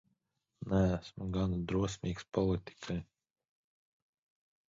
Neesmu gana drosmīgs politikai.